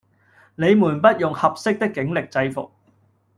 你們不用「合適」的警力制服